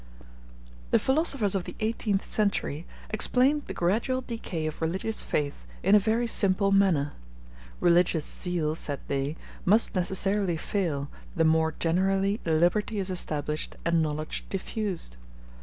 The philosophers of the eighteenth century explained the gradual decay of religious faith in a very simple manner. Religious zeal, said they, must necessarily fail, the more generally liberty is established and knowledge diffused.